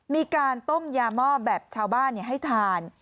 มีการต้มยาหม้อแบบชาวบ้านให้ทาน